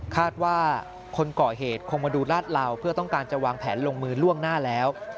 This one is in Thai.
คาดว่าคนก่อเหตุคงมาดูลาดเหลาเพื่อต้องการจะวางแผนลงมือล่วงหน้าแล้ว